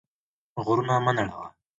غرونه مه نړوه.